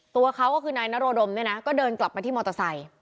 ตัวเขาก็คือนายนโรดมเนี่ยนะก็เดินกลับมาที่มอเตอร์ไซค์